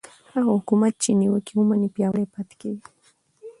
هغه حکومت چې نیوکه ومني پیاوړی پاتې کېږي